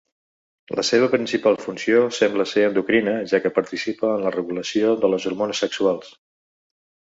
La seva principal funció sembla ser endocrina, ja que participa en la regulació de les hormones sexuals.